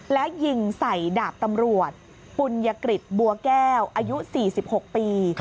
และยิงใส่ดาบตำรวจปุญยกฤษบัวแก้วอายุ๔๖ปี